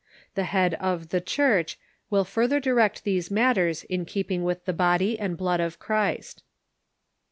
The head of " The Church " will further direct these matters in keep ing with the " Body and Blood of Christ."